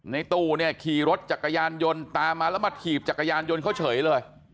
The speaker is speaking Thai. ในตู้เนี่ยขี่รถจักรยานยนต์ตามมาแล้วมาถีบจักรยานยนต์เขาเฉยเลย